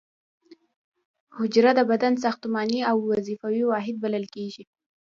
حجره د بدن ساختماني او وظیفوي واحد بلل کیږي